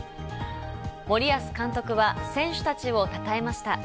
森保監督は選手たちをたたえました。